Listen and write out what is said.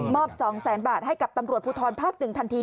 ๒แสนบาทให้กับตำรวจภูทรภาค๑ทันที